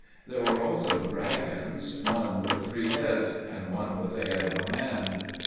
There were also dragons, one with three heads, and one with the head of a man.